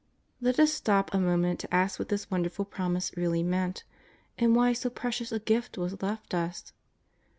Let us stop a moment to ask what this wonderful Promise really meant, and why so precious a Gift was left us.